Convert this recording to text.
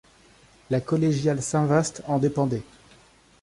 La collégiale Saint-Vaast en dépendait.